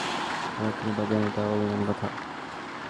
রাজলক্ষ্মী ভাবিলেন, এটাও অভিমানের কথা।